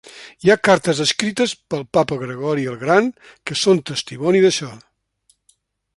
Hi ha cartes escrites pel papa Gregori el Gran que són testimoni d'això.